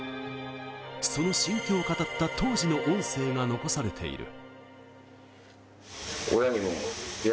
その心境を語った当時の音声が残されている。